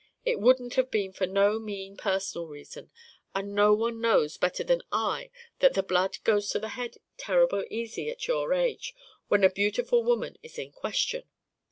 It wouldn't have been for no mean personal reason, and no one knows better than I that the blood goes to the head terrible easy at your age and when a beautiful woman is in question.